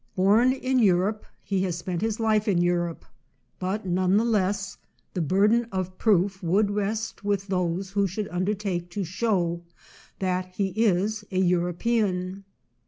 Born in Eu Vol. LXXV.â No. 449. 47 rope, he has spent his life in Europe, but none the less the burden of proof would rest with those who should undertake to show that he is a European.